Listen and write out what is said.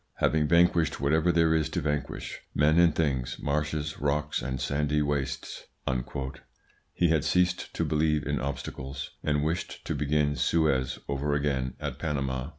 "Having vanquished whatever there is to vanquish, men and things, marshes, rocks, and sandy wastes," he had ceased to believe in obstacles, and wished to begin Suez over again at Panama.